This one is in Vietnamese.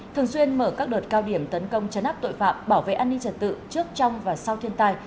thường xuyên mở các đợt cao điểm tấn công chấn áp tội phạm bảo vệ an ninh trật tự trước trong và sau thiên tai